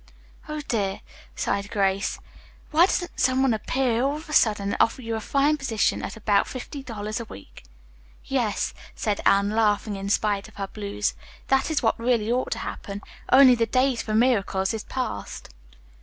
"Oh, dear," sighed Grace. "Why doesn't some one appear all of a sudden and offer you a fine position at about fifty dollars a week." "Yes," said Anne, laughing in spite of her blues. "That is what really ought to happen, only the day for miracles is past."